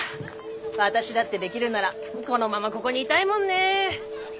私だってできるならこのままここにいたいもんねぇ。